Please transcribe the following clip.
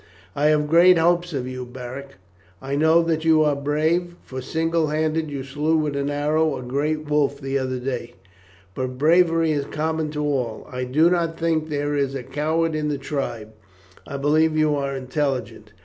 "I have great hopes of you, Beric. I know that you are brave, for single handed you slew with an arrow a great wolf the other day; but bravery is common to all, I do not think that there is a coward in the tribe. I believe you are intelligent.